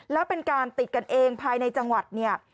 แล้วเป็นการติดกันเองภายในจังหวัดเนี่ย